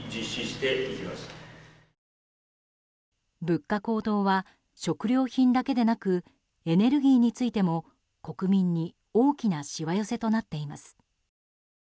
物価高騰は食料品だけでなくエネルギーについても国民に大きなしわ寄せとなっています。